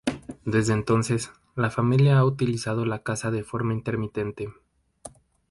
Desde entonces, la Familia Real ha utilizado la casa de forma intermitente.